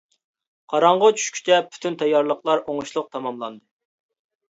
قاراڭغۇ چۈشكىچە پۈتۈن تەييارلىقلار ئوڭۇشلۇق تاماملاندى.